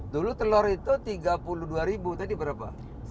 dulu telur itu tiga puluh dua ribu tadi berapa